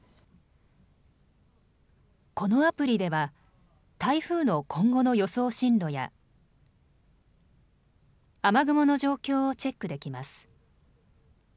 このアプリでは台風の今後の予想進路や雨雲の状況をチェックできます。